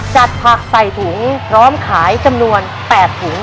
ผักใส่ถุงพร้อมขายจำนวน๘ถุง